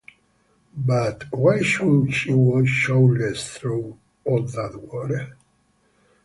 But why should she walk shoeless through all that water?